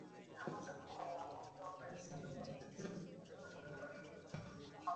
টাকার জন্য কোনো মানুষ এভাবে ক্ষতি করতে পারে, ভাবতেও পারছি না।